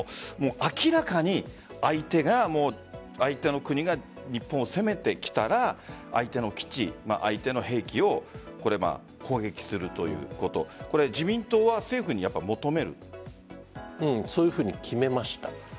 明らかに相手の国が日本を攻めてきたら相手の基地相手の兵器を攻撃するということそういうふうに決めました。